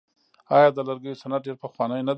آیا د لرګیو صنعت ډیر پخوانی نه دی؟